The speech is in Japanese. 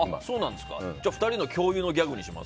じゃあ２人の共有のギャグにします？